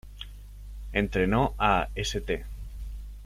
Entrenó a St.